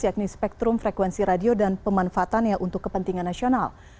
yakni spektrum frekuensi radio dan pemanfaatannya untuk kepentingan nasional